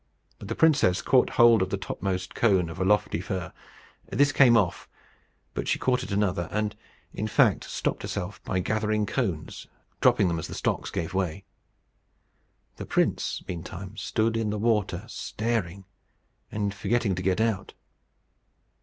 But the princess caught hold of the topmost cone upon a lofty fir. This came off; but she caught at another, and, in fact, stopped herself by gathering cones, dropping them as the stocks gave way. The prince, meantime, stood in the water, staring, and forgetting to get out.